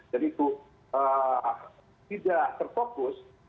jadi itu tidak terfokus